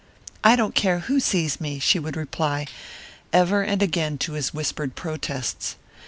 "I don't care who sees me," she would reply ever and again to his whispered protests.